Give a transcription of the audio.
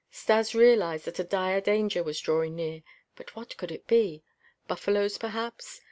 Stas realized that a dire danger was drawing near. But what could it be? Buffaloes, perhaps?